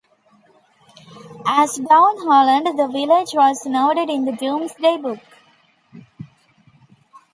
As 'Downholland', the village was noted in the Domesday Book.